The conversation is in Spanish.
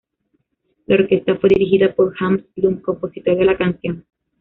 La orquesta fue dirigida por Hans Blum, compositor de la canción.